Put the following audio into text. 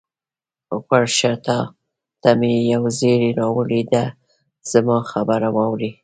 غوږ شه، تا ته مې یو زېری راوړی دی، زما خبره واورئ.